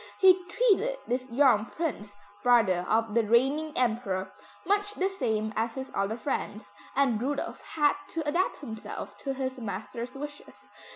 He treated this young Prince, brother of the reigning Emperor, much the same as his other friends, and Rudolph had to adapt himself to his master's wishes.